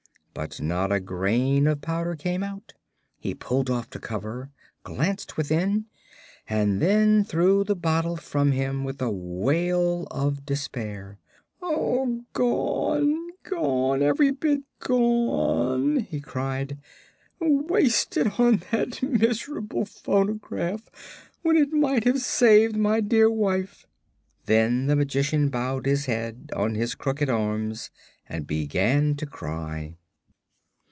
But not a grain of powder came out. He pulled off the cover, glanced within, and then threw the bottle from him with a wail of despair. "Gone gone! Every bit gone," he cried. "Wasted on that miserable phonograph when it might have saved my dear wife!" Then the Magician bowed his head on his crooked arms and began to cry.